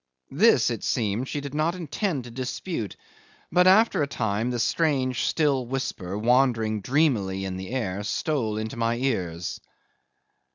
This, it seemed, she did not intend to dispute; but after a time the strange still whisper wandering dreamily in the air stole into my ears.